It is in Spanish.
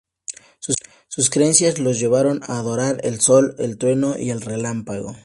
Sus creencias los llevaron a adorar el sol, el trueno y el relámpago.